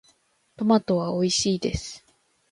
トマトはおいしいです。